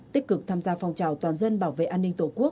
tích cực tham gia phòng trào toàn dân bảo vệ an ninh tổ quốc